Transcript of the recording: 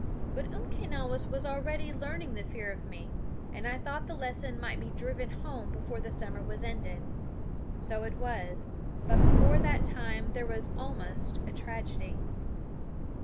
But Umquenawis was already learning the fear of me, and I thought the lesson might be driven home before the summer was ended. So it was; but before that time there was almost a tragedy.